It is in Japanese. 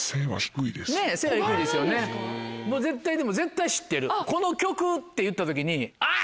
でも絶対知ってるこの曲っていった時にあぁ！